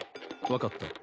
分かった。